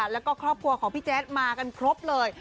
แล้วก็ครอบครัวของพี่แจ๊ดมากันครบเลย